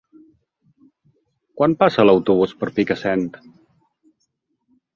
Quan passa l'autobús per Picassent?